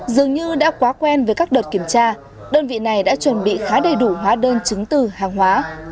dường như đã quá quen với các đợt kiểm tra đơn vị này đã chuẩn bị khá đầy đủ hóa đơn chứng từ hàng hóa